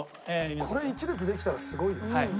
これ１列できたらすごいよね。